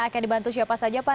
akan dibantu siapa saja pak